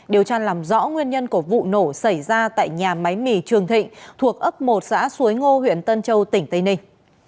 điều tra làm rõ nguyên nhân của vụ nổ xảy ra tại nhà máy mì trường thịnh thuộc ấp một xã suối ngô huyện tân châu tỉnh tây ninh